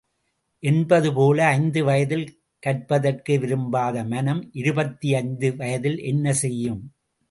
என்பது போல, ஐந்து வயதில் கற்பதற்கு விரும்பாத மனம், இருபத்தி ஐந்து வயதில் என்ன செய்யும்?